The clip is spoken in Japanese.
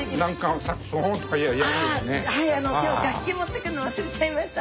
はいあの今日楽器持ってくるの忘れちゃいました。